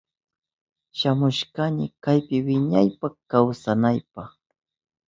Shamushkani kaypi wiñaypa kawsanaynipa.